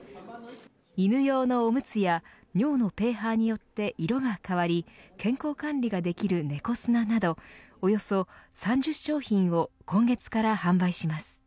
犬用のおむつや尿のｐＨによって色が変わり健康管理ができる猫砂などおよそ３０商品を今月から販売します。